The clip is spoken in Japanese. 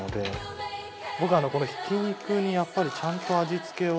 僕あのこのひき肉にやっぱりちゃんと味付けを。